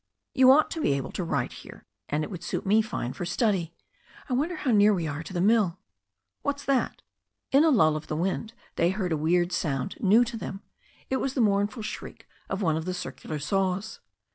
"You ought to be able to write here, and it would suit me fine for study. I wonder how near we are to the mill." "What's that?" In a lull of the wind they heard a weird sound, new to them. It was the mournful shriek of one of the circular saws.